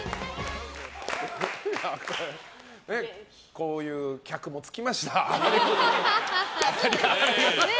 こういう客もつきました。